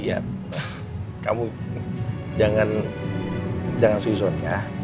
iya kamu jangan susun ya